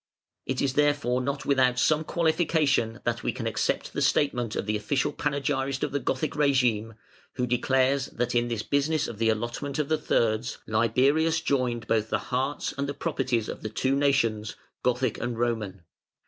It is therefore not without some qualification that we can accept the statement of the official panegyrist of the Gothic regime, who declares that in this business of the allotment of the Thirds "Liberius joined both the hearts and the properties of the two nations, Gothic and Roman.